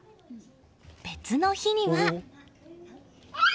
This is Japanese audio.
別の日には。